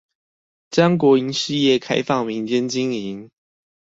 將國營事業開放民間經營